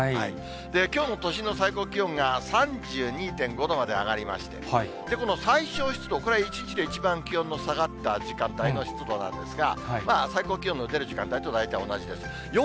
きょうの都心の最高気温が３２．５度まで上がりまして、この最小湿度、これは１日で一番気温の下がった時間帯の湿度なんですが、最高気温の出る時間帯と大体同じです。